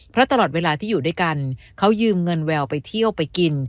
เพราะตลอดเวลาที่อยู่ด้วยกันเขายืมเงินแววไปเที่ยวไปกิน